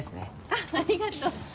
あっありがとう。